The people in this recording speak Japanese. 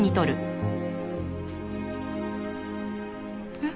えっ？